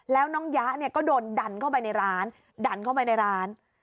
แล้วน้องยะเนี่ยก็โดนดันเข้าไปในร้านดันเข้าไปในร้าน